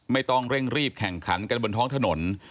ไม่ต้องเร่งรีบแข่งขันกันบนท้องถนน